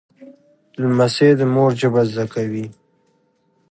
لمسی د مور ژبه زده کوي.